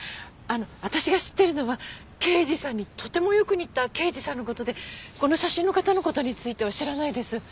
あの私が知ってるのは刑事さんにとてもよく似た刑事さんの事でこの写真の方の事については知らないです。